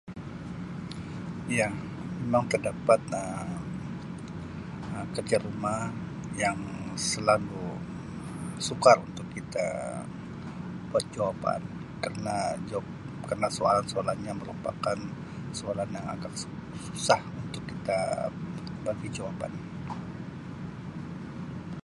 Ya, memang terdapat Um kerja rumah yang selalu yang sukar Um untuk kita buat jawapan kerna jawap- kerna soalan-soalannya merupakan soalan yang agak su-susah untuk kita bagi jawapan.